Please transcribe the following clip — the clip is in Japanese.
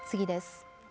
次です。